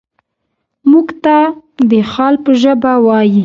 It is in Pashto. موږ ته د حال په ژبه وايي.